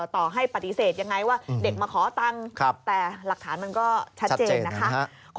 ต่อให้ปฏิเสธยังไงว่าเด็กมาขอตังค์แต่หลักฐานมันก็ชัดเจนนะคะ